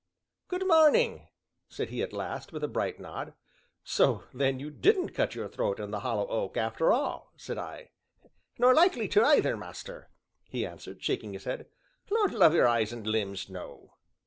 "Good morning!" said he at last, with a bright nod. "So then you didn't cut your throat in the Hollow Oak, after all?" said I. "Nor likely to either, master," he answered, shaking his head. "Lord love your eyes and limbs, no!"